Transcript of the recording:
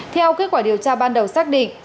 theo kết quả điều tra ban đầu xác định